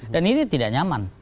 dan ini tidak nyaman